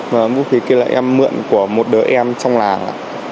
và vũ khí kia là em mượn của một đứa em trong làng